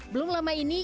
belum lama ini